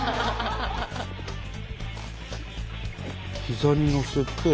膝に載せて。